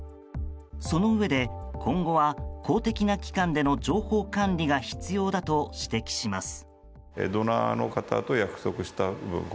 そのうえで、今後は公的な機関での情報管理が必要だと指摘します。